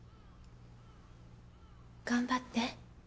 頑張って。